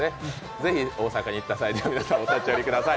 ぜひ大阪に行った際にはお立ち寄りください。